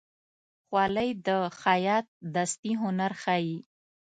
خولۍ د خیاط دستي هنر ښيي.